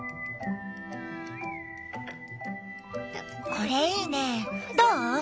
これいいねどう？